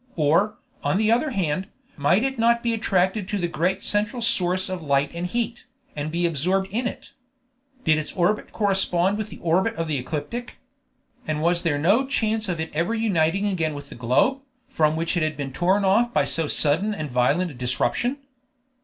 or, on the other hand, might it not be attracted to the great central source of light and heat, and be absorbed in it? Did its orbit correspond with the orbit of the ecliptic? and was there no chance of its ever uniting again with the globe, from which it had been torn off by so sudden and violent a disruption?